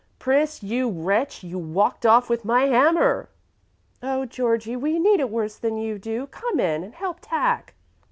"Pris, you wretch, you walked off with my hammer!" "Oh, Georgie, we need it worse than you do! Come in and help tack."